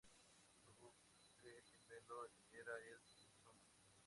Su buque gemelo era el "Izumo".